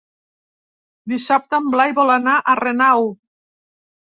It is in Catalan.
Dissabte en Blai vol anar a Renau.